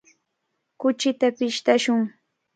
Kuchita pishtashun.